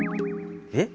えっ？